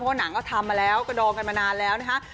เพราะหนังก็ทำมาแล้วกระดองกันมานานแล้วนะคะ